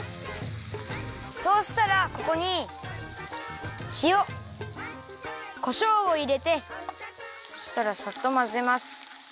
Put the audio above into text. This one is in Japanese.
そうしたらここにしおこしょうをいれてそしたらさっとまぜます。